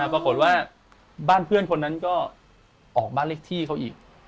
ปรากฏว่าบ้านเพื่อนคนนั้นก็ออกบ้านเลขที่เขาอีก